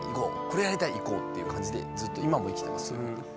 これやりたい行こう！っていう感じでずっと今も生きてます。